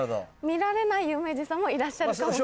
見られない有名人さんもいらっしゃるかもしれない。